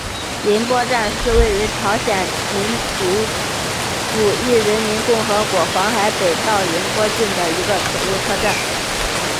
银波站是位于朝鲜民主主义人民共和国黄海北道银波郡的一个铁路车站。